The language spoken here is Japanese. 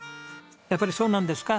やっぱりそうなんですか？